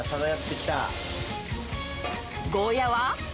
ゴーヤは。